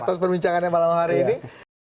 atas perbincangannya malam hari ini